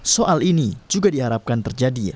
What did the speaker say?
soal ini juga diharapkan terjadi